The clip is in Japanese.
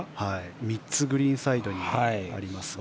３つ、グリーンサイドにありますね。